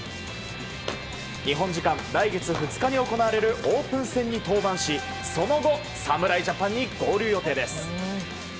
日本時間来月２日に行われるオープン戦に登板しその後侍ジャパンに合流予定です。